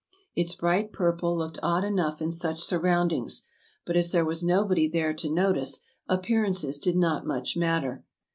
Its bright purple looked odd enough in such surroundings, but as there was nobody there to notice, appearances did not much matter.